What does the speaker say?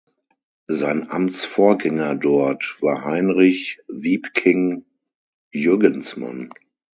Sein Amtsvorgänger dort war Heinrich Wiepking-Jürgensmann.